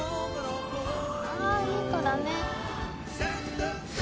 ああいい子だね。